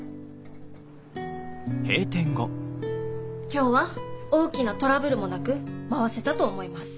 今日は大きなトラブルもなく回せたと思います。